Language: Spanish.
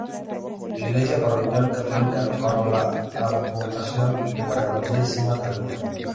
Iglesia parroquial católica bajo la advocación de la Santísima Trinidad.